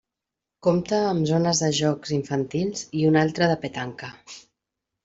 Compta amb zones de jocs infantils i una altra de petanca.